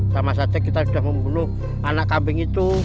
sama saja kita sudah membunuh anak kambing itu